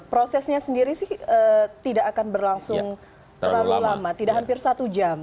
prosesnya sendiri sih tidak akan berlangsung terlalu lama tidak hampir satu jam